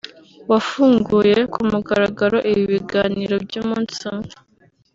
wafunguye ku mugaragaro ibi biganiro by’umunsi umwe